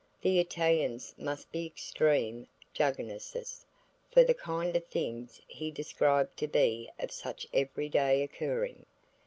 The Italians must be extreme Jugginses for the kind of things he described to be of such everyday occurring.